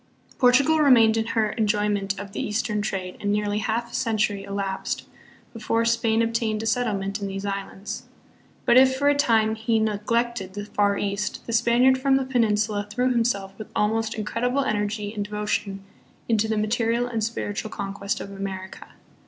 Portugal remained in her enjoyment of the Eastern trade and nearly half a century elapsed before Spain obtained a settlement in these islands. But if for a time he neg lected the Far East, the Spaniard from the Peninsula threw himself with almost incredible energy and devo tion into the material and spiritual conquest of America.